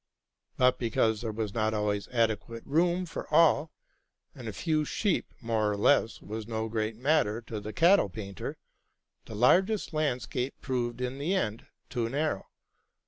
But be cause there was not always adequate room for all, and a few sheep more or less was no great matter to the cattle painter, the largest landscape proved in the end too narrow.